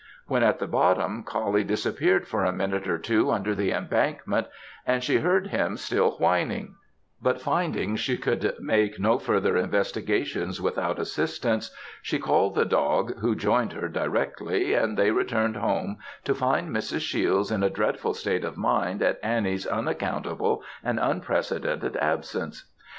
When at the bottom, Coullie disappeared for a minute or two under the embankment, and she heard him still whining; but finding she could make no further investigations without assistance, she called the dog who joined her directly, and they returned home to find Mrs. Shiels in a dreadful state of mind at Annie's unaccountable and unprecedented absence.